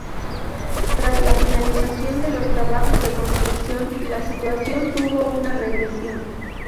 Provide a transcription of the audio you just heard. Tras la finalización de los trabajos de construcción, la situación tuvo una regresión.